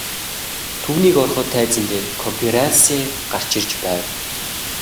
Түүнийг ороход тайзан дээр КОНФЕРАНСЬЕ гарч ирж байв.